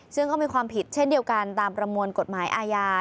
ซึ่งก็มีความผิดเช่นเดียวกันตามประมวลกฎหมายอาญา